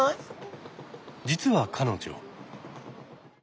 実は彼女。